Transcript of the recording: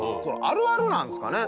あるあるなんですかね？